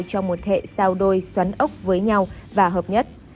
cho một hệ sao đôi xoắn ốc với nhau và hợp nhất